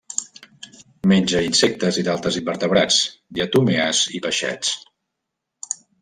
Menja insectes i d'altres invertebrats, diatomees i peixets.